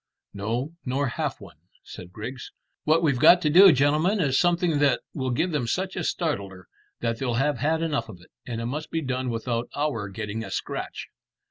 "No, nor half one," said Griggs. "What we've got to do, gentlemen, is something that will give them such a startler that they'll have had enough of it; and it must be done without our getting a scratch."